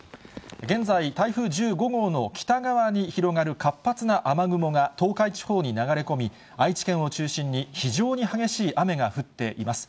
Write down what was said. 現在、台風１５号の北側に広がる活発な雨雲が東海地方に流れ込み、愛知県を中心に非常に激しい雨が降っています。